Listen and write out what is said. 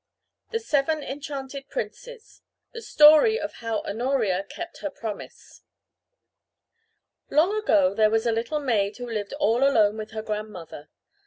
THE SEVEN ENCHANTED PRINCES The Story of How Honoria Kept Her Promise Long ago there was a little maid who lived all alone with her grandmother.